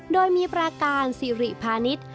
โดยมีปราการสิริพาณิชย์